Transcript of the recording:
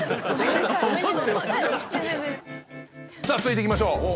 さあ続いていきましょう。